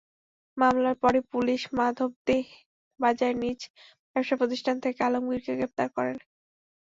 মামলার পরই পুলিশ মাধবদী বাজারের নিজ ব্যবসাপ্রতিষ্ঠান থেকে আলমগীরকে গ্রেপ্তার করে।